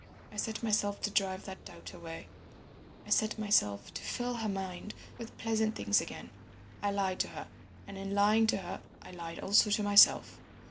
I set myself to drive that doubt away—I set myself to fill her mind with pleasant things again. I lied to her, and in lying to her I lied also to myself.